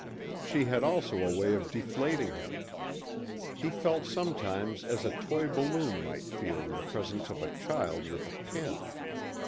She had also a way of deflating him. He felt sometimes as a toy balloon might feel in the presence of a child with a pin.